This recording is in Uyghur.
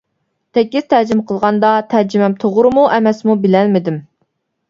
تېكىست تەرجىمە قىلغاندا تەرجىمەم توغرىمۇ ئەمەسمۇ بىلەلمىدىم.